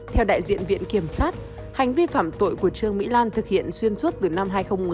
theo đại diện viện kiểm sát hành vi phạm tội của trương mỹ lan thực hiện xuyên suốt từ năm hai nghìn một mươi